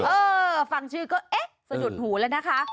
เออฟังชื่อก็เอ๊ะสะดุดหูแล้วนะคะ